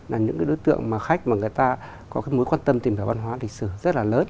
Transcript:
là những đối tượng khách mà người ta có mối quan tâm tìm hiểu văn hóa lịch sử rất là lớn